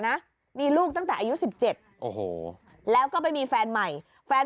นะมีลูกตั้งแต่อายุ๑๗โอ้โหแล้วก็ไปมีแฟนใหม่แฟน